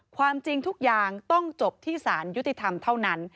ความจริงทุกอย่างต้องจบที่สารยุติธรรมเท่านั้น